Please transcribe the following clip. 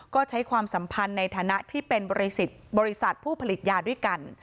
ก็ใช้ความสัมพันธ์ในฐานะที่เป็นบริษัทผู้ผลิตยาด้วยกัน